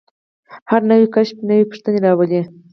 هر نوی کشف نوې پوښتنې راولي.